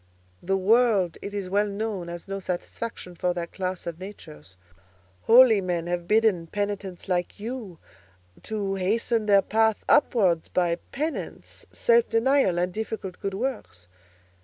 The world, it is well known, has no satisfaction for that class of natures. Holy men have bidden penitents like you to hasten their path upward by penance, self denial, and difficult good works.